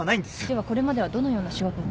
ではこれまではどのような仕事を？